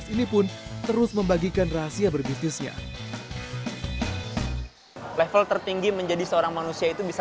ini pun terus membagikan rahasia berbisnisnya level tertinggi menjadi seorang manusia itu bisa